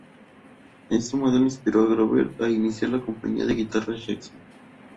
Este modelo inspiró a Grover a iniciar la compañía de guitarras Jackson.